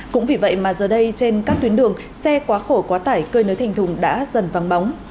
cũng vì vậy mà giờ đây trên các tuyến đường xe quá khổ quá tải cơi nới thành thùng đã dần vắng bóng